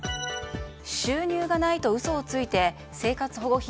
収入がないと嘘をついて生活保護費